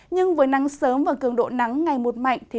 nhưng với nắng sớm và cường độ nắng ngày một mạnh